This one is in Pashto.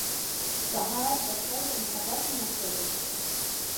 سهار د خدای د محبت نښه ده.